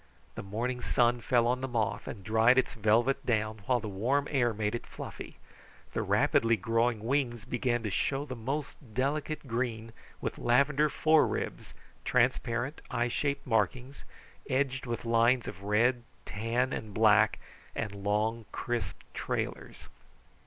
The morning sun fell on the moth and dried its velvet down, while the warm air made it fluffy. The rapidly growing wings began to show the most delicate green, with lavender fore ribs, transparent, eye shaped markings, edged with lines of red, tan, and black, and long, crisp trailers.